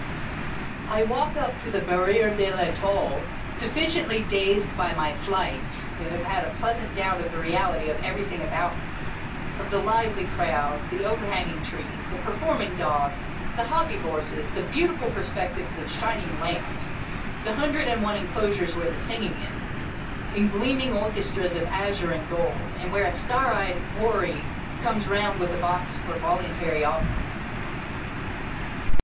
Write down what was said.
I walk up to the Barri^re de 1'Etoile, suffi ciently dazed by my flight to have a pleasant doubt of the reality of everything about me ; of the lively crowd, the overhanging trees, the performing dogs, the hobby horses, the beautiful perspectives of shining lamps : the hundred and one inclosures, where the singing is, in gleaming orchestras of azure and gold, and where a star eyed Houri comes round with a box for voluntary offerings.